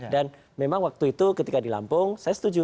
dan memang waktu itu ketika di lampung saya setuju